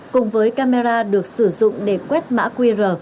cùng với camera được sử dụng để quét mã qr